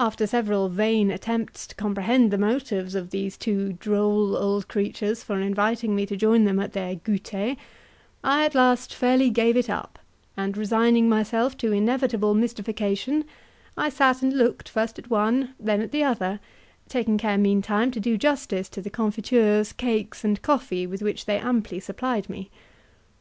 After several vain attempts to comprehend the motives of these two droll old creatures for inviting me to join them at their gouter, I at last fairly gave it up, and resigning myself to inevitable mystification, I sat and looked first at one, then at the other, taking care meantime to do justice to the confitures, cakes, and coffee, with which they amply supplied me.